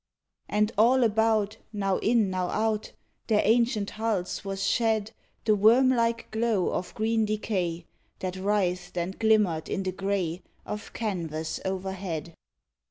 And all about, now in, now out, Their ancient hulls was shed The worm like glow of green decay, That writhed and glimmered in the gray Of canvas overhead.